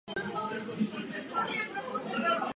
Výzkum je rozdělen do šesti výzkumných programů.